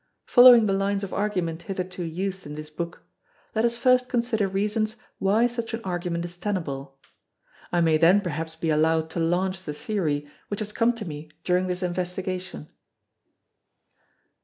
Following the lines of argument hitherto used in this book, let us first consider reasons why such an argument is tenable. I may then perhaps be allowed to launch the theory which has come to me during this investigation.